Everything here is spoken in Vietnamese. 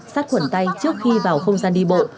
sát khuẩn tay trước khi vào không gian đi bộ